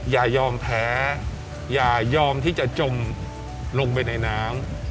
อย่ายอมแพ้อย่ายอมที่จะจมลงไปในน้ำ